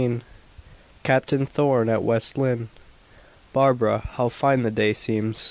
CAPTAIN THORN AT WEST LYNNE. "Barbara, how fine the day seems!"